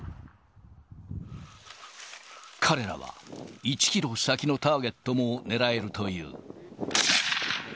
彼らは１キロ先のターゲットも狙えるという。